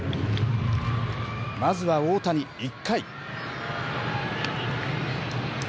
まずは大谷１回。